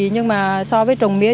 nhưng mà so với trồng mía